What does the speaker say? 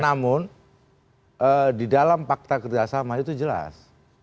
namun di dalam fakta kerjasama itu jelas